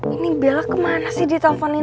ini bella kemana sih diteleponin